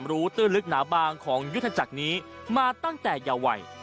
ตื้อลึกหนาบางของยุทธจักรนี้มาตั้งแต่เยาวัย